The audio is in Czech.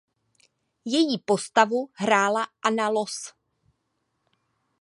Její postavu hrála Anna Loos.